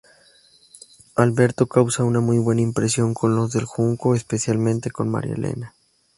Alberto causa una muy buena impresión con los del Junco, especialmente con María Elena.